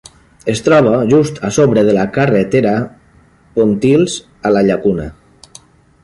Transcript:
Es troba just a sobre de la carretera Pontils a la Llacuna.